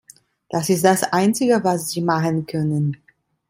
Das ist das einzige, was Sie machen können.